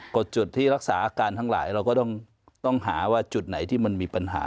จุดที่รักษาอาการทั้งหลายเราก็ต้องหาว่าจุดไหนที่มันมีปัญหา